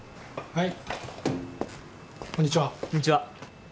はい。